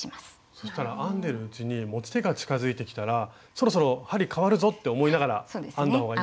そしたら編んでるうちに持ち手が近づいてきたらそろそろ針かわるぞって思いながら編んだ方がいいってことですね。